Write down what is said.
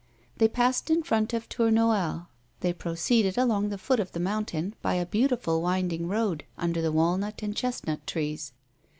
They passed in front of Tournoel; they proceeded along the foot of the mountain, by a beautiful winding road, under the walnut and chestnut trees.